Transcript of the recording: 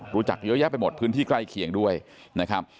รู้จักเยอะแยะไปหมดพื้นที่ใกล้เคียงด้วยนะครับ